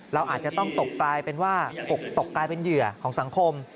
เราอาจจะต้องตกกลายเป็นเหยื่อของสังคม